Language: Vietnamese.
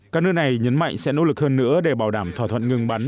các nước này nhấn mạnh sẽ nỗ lực hơn nữa để bảo đảm thỏa thuận ngừng bắn